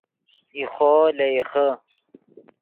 ایخو لے ایخے